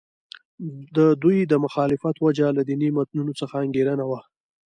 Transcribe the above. د دوی د مخالفت وجه له دیني متنونو څخه انګېرنه وه.